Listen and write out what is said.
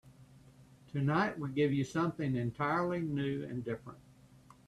Tonight we give you something entirely new and different.